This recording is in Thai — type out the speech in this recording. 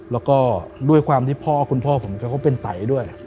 แล้วก็ด้วยความที่พ่อคุณพ่อผมแกก็เป็นไตด้วย